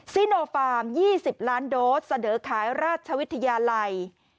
ซิโนฟาร์ม๒๐ล้านโดสเสนอขายราชวิทยาลัย